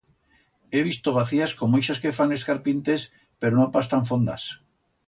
He visto bacías como ixas que fan es carpinters pero no pas tan fondas.